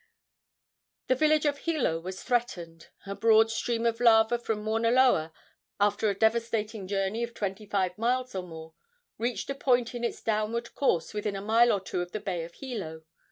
The village of Hilo was threatened. A broad stream of lava from Mauna Loa, after a devastating journey of twenty five miles or more, reached a point in its downward course within a mile or two of the bay of Hilo.